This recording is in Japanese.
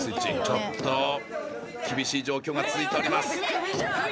ちょっと厳しい状況が続いております